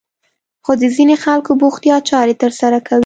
خو د ځينې خلکو بوختيا چارې ترسره کوي.